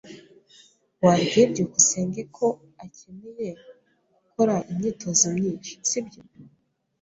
Wabwiye byukusenge ko akeneye gukora imyitozo myinshi, sibyo?